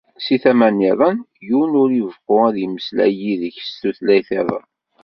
Si tama nniḍen, yiwen ur ibeqqu ad yemmeslay yid-k s tutlayt-iḍen.